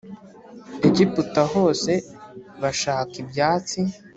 Egiputa hose bashaka ibyatsi.